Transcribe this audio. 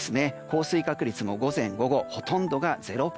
降水確率も午前午後ほとんどが０％。